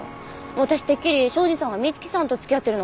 私てっきり庄司さんは美月さんと付き合ってるのかと。